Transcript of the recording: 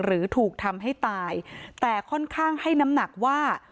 หรือถูกทำให้ตายแต่ค่อนข้างให้น้ำหนักว่า